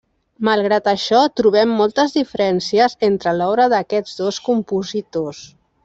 Malgrat això, trobem moltes diferències entre l’obra d’aquests dos compositors.